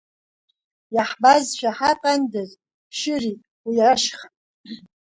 Иаҳбазшәа ҳаҟандаз, шьы ри, уи ашьха.